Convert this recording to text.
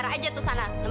mau aja ya diem